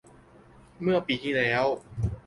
เมื่อปีที่แล้ว